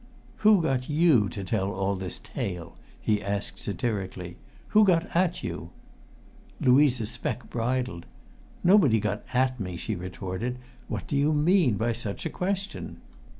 "Who got you to tell all this tale?" he asked satirically. "Who got at you?" Louisa Speck bridled. "Nobody got at me!" she retorted. "What do you mean by such a question?"